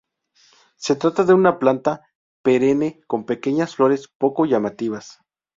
Se trata de una planta perenne con pequeñas flores poco llamativas.